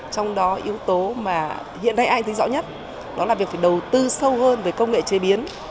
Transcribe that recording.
trong đó yếu tố mà hiện nay ai thấy rõ nhất đó là việc phải đầu tư sâu hơn về công nghệ chế biến